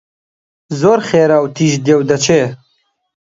زۆر خێرا و تیژ دێ و دەچێ